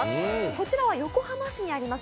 こちらは横浜市にあります